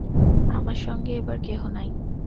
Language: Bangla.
আমার সঙ্গে এবার কেহ নাই।